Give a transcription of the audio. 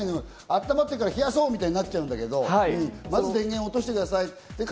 あったまったから冷やそうみたいになっちゃうけど、まず電源を落としてください。